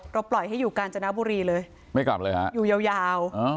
ปล่อยให้อยู่กาญจนบุรีเลยไม่กลับเลยฮะอยู่ยาวยาว